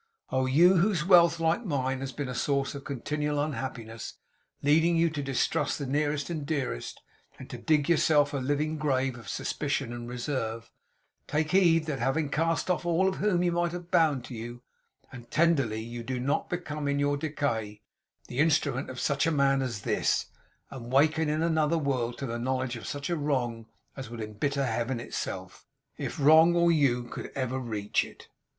Oh, you whose wealth, like mine, has been a source of continual unhappiness, leading you to distrust the nearest and dearest, and to dig yourself a living grave of suspicion and reserve; take heed that, having cast off all whom you might have bound to you, and tenderly, you do not become in your decay the instrument of such a man as this, and waken in another world to the knowledge of such wrong as would embitter Heaven itself, if wrong or you could ever reach it!